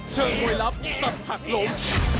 เชิงมวยลับสับหักหลง